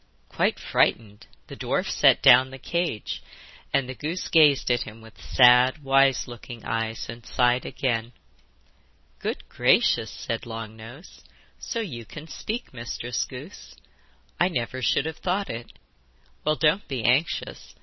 Quite frightened, the dwarf set down the cage, and the goose gazed at him with sad wise looking eyes and sighed again. 'Good gracious!' said Long Nose. 'So you can speak, Mistress Goose. I never should have thought it! Well, don't be anxious.